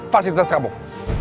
fasih terus cabut